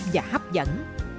và hấp dẫn